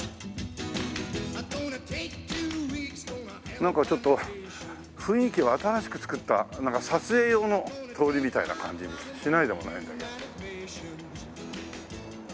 なんかちょっと雰囲気は新しく作った撮影用の通りみたいな感じがしないでもないんだけど。